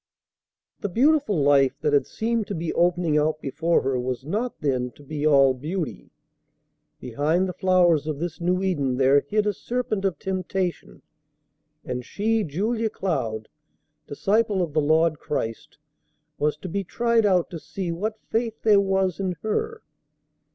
The beautiful life that had seemed to be opening out before her was not, then, to be all beauty. Behind the flowers of this new Eden there hid a serpent of temptation; and she, Julia Cloud, disciple of the Lord Christ, was to be tried out to see what faith there was in her.